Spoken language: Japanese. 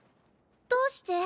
どうして？